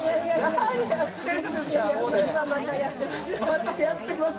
またやってます！